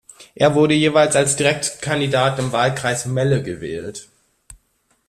Er wurde jeweils als Direktkandidat im Wahlkreis Melle gewählt.